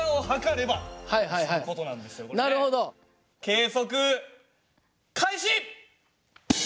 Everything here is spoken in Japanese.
計測開始！